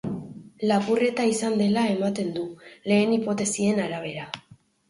Lapurreta izan dela ematen du, lehen hipotesien arabera.